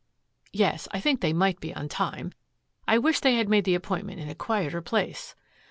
"Yes. I think they might be on time. I wish they had made the appointment in a quieter place."